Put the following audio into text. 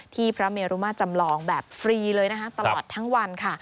ที่พระเมรุมาร์จำลองแบบฟรีเลยตลอดทั้งวัน